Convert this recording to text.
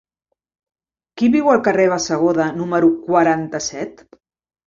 Qui viu al carrer de Bassegoda número quaranta-set?